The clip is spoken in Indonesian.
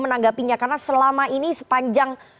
menanggapinya karena selama ini sepanjang